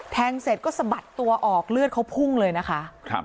แทงเสร็จก็สะบัดตัวออกเลือดเขาพุ่งเลยนะคะ